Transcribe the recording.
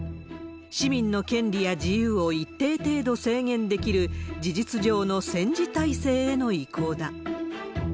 市民の権利や自由を一定程度制限できる、事実上の戦時体制への移行だ。